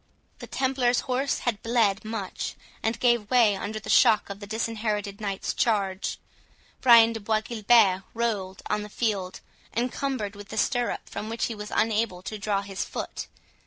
The Templars horse had bled much, and gave way under the shock of the Disinherited Knight's charge. Brian de Bois Guilbert rolled on the field, encumbered with the stirrup, from which he was unable to draw his foot.